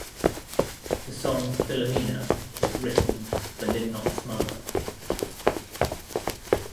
The song "Philomena" was written for Lynott's mother.